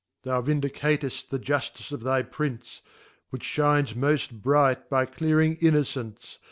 Thou t«7l Thou vindicate the Jufticeof thy Prince, Which fliines mod bright by clearing Innocence.